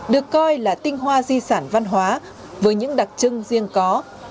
được coi là tinh hoa di sản văn hóa với những đặc trưng riêng có